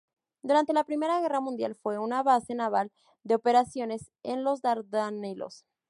Durante la Primera Guerra Mundial fue una base naval de operaciones en los Dardanelos.